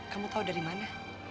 kamu tahu dari mana